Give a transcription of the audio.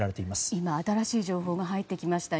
今、新しい情報が入ってきました。